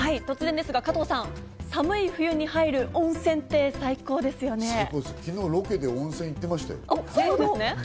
突然ですが加藤さん、寒い冬に入る温泉って最高ですよね。